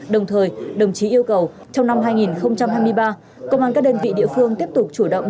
đồng thời đồng chí yêu cầu trong năm hai nghìn hai mươi ba công an các đơn vị địa phương tiếp tục chủ động